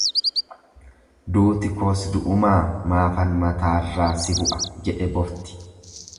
Duuti koos du'umaa maafan mataarraa si bu'a jedhe bofti.